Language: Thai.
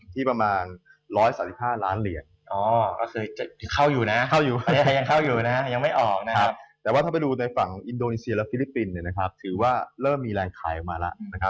แต่ว่าถ้าไปดูในฝั่งอินโดนีเซียและฟิลิปปินส์ถือว่าเริ่มมีแรงขายมาแล้ว